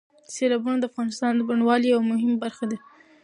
سیلابونه د افغانستان د بڼوالۍ یوه مهمه برخه ده.